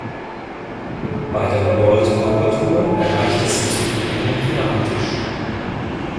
Bei der World Poker Tour erreichte sie zudem einen Finaltisch.